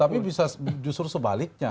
tapi bisa justru sebaliknya